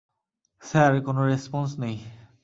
Sir, কোন response নেই।